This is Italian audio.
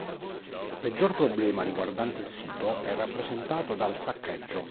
Il peggior problema riguardante il sito è rappresentato dal saccheggio.